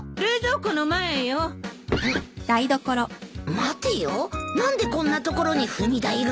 待てよ何でこんな所に踏み台が？